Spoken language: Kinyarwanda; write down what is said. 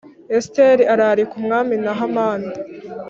Esiteri ararika umwami na Hamani